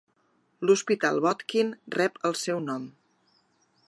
L'hospital Botkin rep el seu nom.